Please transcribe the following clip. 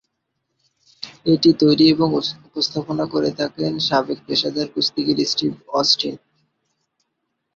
এটি তৈরি এবং উপস্থাপনা করে থাকেন সাবেক পেশাদার কুস্তিগির স্টিভ অস্টিন।